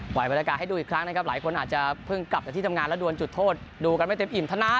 บรรยากาศให้ดูอีกครั้งนะครับหลายคนอาจจะเพิ่งกลับจากที่ทำงานแล้วดวนจุดโทษดูกันไม่เต็มอิ่มเท่านั้น